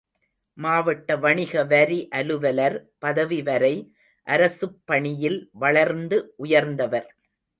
மாவட்ட வணிக வரி அலுவலர் பதவி வரை அரசுப் பணியில் வளர்ந்து உயர்ந்தவர்.